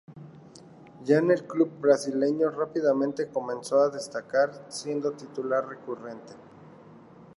Ya en el club brasileño rápidamente comenzó a destacar siendo titular recurrente.